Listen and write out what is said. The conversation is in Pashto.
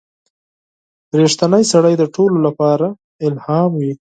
• رښتینی سړی د ټولو لپاره الهام وي.